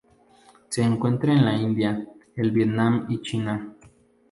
Se encuentra en la India, el Vietnam y China.